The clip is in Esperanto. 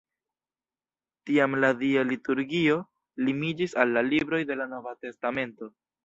Tiam la Dia liturgio limiĝis al la libroj de la Nova Testamento.